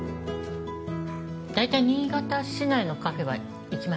大体新潟市内のカフェは行きました。